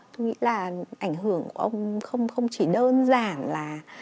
tôi nghĩ là ảnh hưởng của ông không chỉ đơn giản là